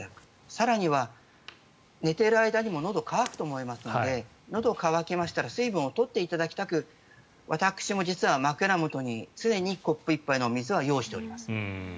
更には寝ている間にものどが渇くと思いますのでのどが渇きましたら水分を取っていただきたく私も実は枕元に常にコップ１杯の水は用意しております。